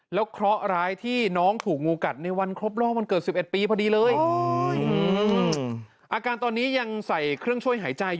แล้วเคราะห์ร้ายที่น้องถูกงูกัดในวันครบรอบวันเกิด๑๑ปีพอดีเลย